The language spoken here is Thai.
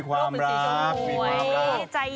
ความรับทำให้